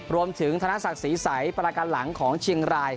ธนศักดิ์ศรีใสประกันหลังของเชียงราย